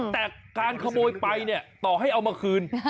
แต่การขโมยไปเนี่ยต่อให้เอามาคืน